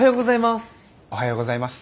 おはようございます。